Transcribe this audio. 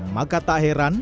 maka tak heran